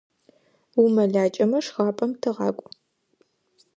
УмэлакӀэмэ, шхапӀэм тыгъакӀу.